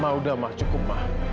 ma udah ma cukup ma